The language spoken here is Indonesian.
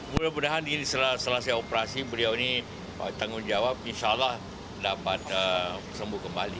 mudah mudahan di selesai operasi beliau ini tanggung jawab insya allah dapat sembuh kembali